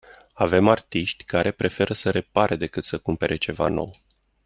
Avem artiști care preferă să repare decât să cumpere ceva nou.